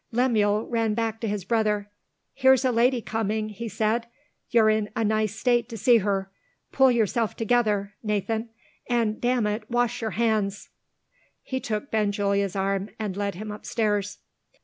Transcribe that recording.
Lemuel ran back to his brother. "Here's a lady coming!" he said. "You're in a nice state to see her! Pull yourself together, Nathan and, damn it, wash your hands!" He took Benjulia's arm, and led him upstairs.